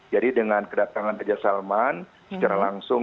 jadi dengan kedatangan raja salman secara langsung